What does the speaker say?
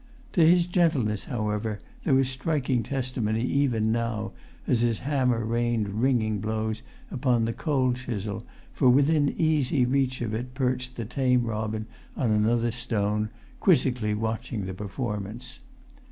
To his gentleness, however, there was striking testimony even now, as his hammer rained ringing blows upon the cold chisel; for within easy reach of it perched the tame robin on another stone, quizzically watching the performance.